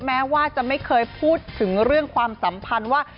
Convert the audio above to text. แม้ว่าจะไม่เคยพูดถึงเรื่องความสัมพันธ์ว่า